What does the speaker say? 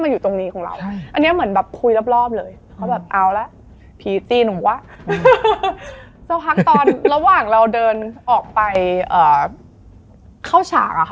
อยู่ที่ก็หายแล้วพอลงรถมา